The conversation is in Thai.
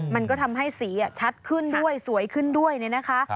มันก็ทำให้สีชัดขึ้นด้วยสวยขึ้นด้วยเนี่ยนะคะ